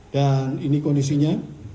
dan ini kondisinya